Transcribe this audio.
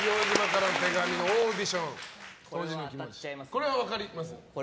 これは分かります。